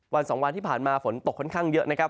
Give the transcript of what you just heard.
วัน๒วันที่ผ่านมาฝนตกค่อนข้างเยอะนะครับ